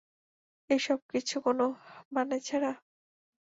এই সব কিছু কোনো মানে ছাড়া?